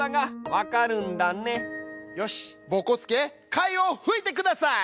よしぼこすけ貝をふいてください！